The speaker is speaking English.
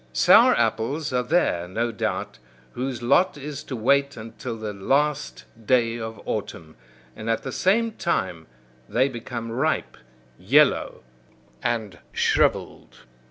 Sour apples are there, no doubt, whose lot is to wait until the last day of autumn: and at the same time they become ripe, yellow, and shrivelled.